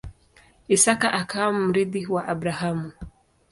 Isaka akawa mrithi wa Abrahamu.